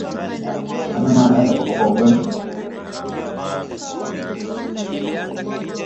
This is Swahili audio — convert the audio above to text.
Wanyama wanaweza kufa kwa ugonjwa wa ndorobo